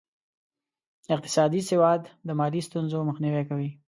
اقتصادي سواد د مالي ستونزو مخنیوی کوي.